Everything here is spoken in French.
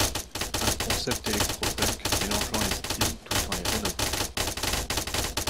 Un concept électro-punk mélangeant les styles tout en les rénovant.